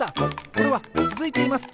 これはつづいています！